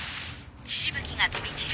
血しぶきが飛び散る。